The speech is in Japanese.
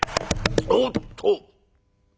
「おっと！